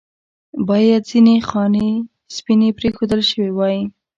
باید ځنې خانې سپینې پرېښودل شوې واې.